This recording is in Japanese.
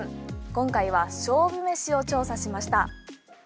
今回は勝負飯を調査しました。